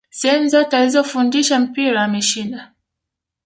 sehemu zote alizofundisha mpira ameshinda